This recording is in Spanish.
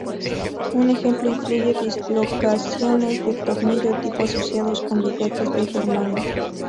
Un ejemplo incluye dislocaciones de tornillo tipo asociados con bigotes de germanio.